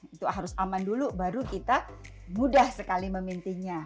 itu harus aman dulu baru kita mudah sekali memintingnya